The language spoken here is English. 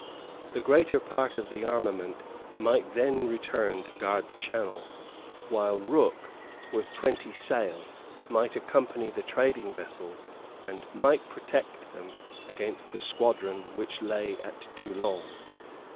The greater part of the armament might then return to guard the Channel, while Rooke, with twenty sail, might accompany the trading vessels and might protect them against the squadron which lay at Toulon.